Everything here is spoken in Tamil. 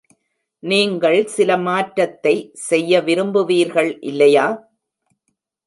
நீங்கள் சில மாற்றத்தை செய்ய விரும்புவீர்கள் இல்லையா?